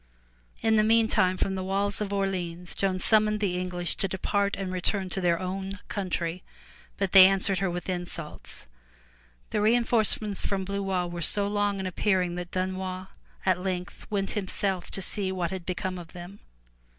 In the meantime from the walls of Orleans, Joan summoned the English to depart and return to their own country, but they answered her with insults. The reinforcements from Blois were so long in appearing that Dunois at length went himself to see what had become of them.